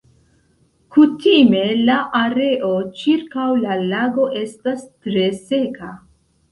Kutime la areo ĉirkaŭ la lago estas tre seka.